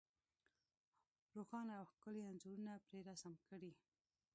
روښانه او ښکلي انځورونه پرې رسم کړي.